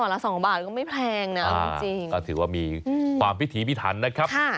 ละ๒บาทก็ไม่แพงนะเอาจริงก็ถือว่ามีความพิธีพิถันนะครับ